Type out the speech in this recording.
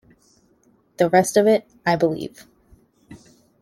The rest of it, I believe.